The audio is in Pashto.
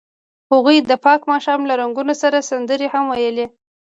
هغوی د پاک ماښام له رنګونو سره سندرې هم ویلې.